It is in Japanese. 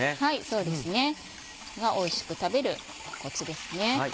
そうですねおいしく食べるコツですね。